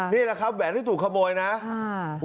ครับนี่แหวนที่ถูกขโมยนะใช่